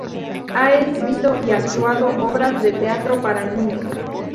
Ha escrito y actuado obras de teatro para niños.